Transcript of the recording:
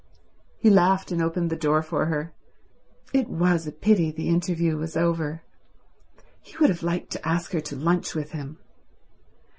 He laughed and opened the door for her. It was a pity the interview was over. He would have liked to ask her to lunch with him.